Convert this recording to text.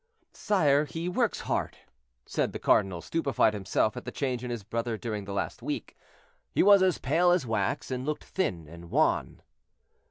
"Sire, he works hard," said the cardinal, stupefied himself at the change in his brother during the last week. He was as pale as wax, and looked thin and wan.